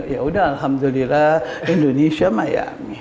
ya udah alhamdulillah indonesia miami